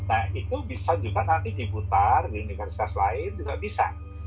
nah itu bisa juga nanti diputar di universitas lain juga bisa